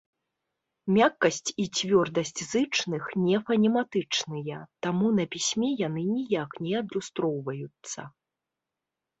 Мяккасць і цвёрдасць зычных не фанематычныя, таму на пісьме яны ніяк не адлюстроўваюцца.